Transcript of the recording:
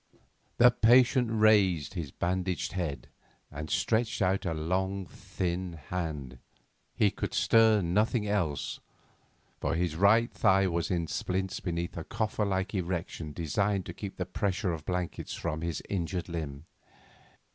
The patient raised his bandaged head and stretched out a long thin hand; he could stir nothing else, for his right thigh was in splints beneath a coffer like erection designed to keep the pressure of the blankets from his injured limb.